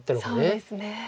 そうですね。